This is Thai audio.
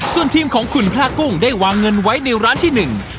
ส่วนทีมของคุณพระกุ้งได้วางเงินไว้ในร้านที่หนึ่ง